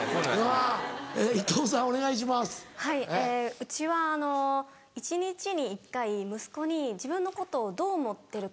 うちは一日に１回息子に自分のことをどう思ってるか。